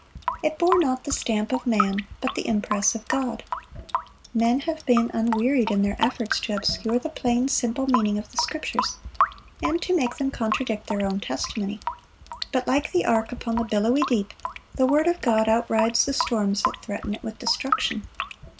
It bore not the stamp of man, but the impress of God. Men have been unwearied in their efforts to obscure the plain, simple meaning of the Scriptures, and to make them contradict their own testimony; but like the ark upon the billowy deep, the word of God outrides the storms that threaten it with destruction.